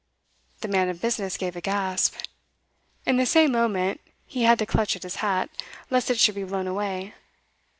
The man of business gave a gasp. In the same moment he had to clutch at his hat, lest it should be blown away.